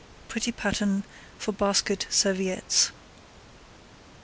Pretty Pattern for Basket Serviettes.